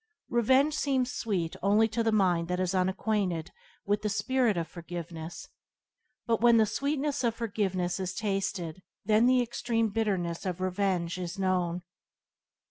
Revenge seems sweet only to the mind that is unacquainted with the spirit of forgiveness; but when the sweetness of forgiveness is tasted then the extreme bitterness of revenge is known.